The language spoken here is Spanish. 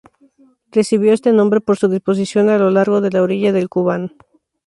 Recibió este nombre por su disposición a lo largo de la orilla del Kubán.